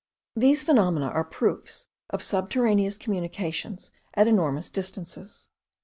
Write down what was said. These phenomena are proofs of subterraneous communications at enormous distances.